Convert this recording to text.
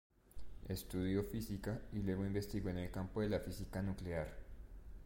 Estudió física y luego investigó en el campo de la física nuclear.